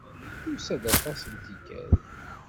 Yusa-d aṭas n tikkal.